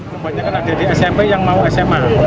kebanyakan ada di smp yang mau sma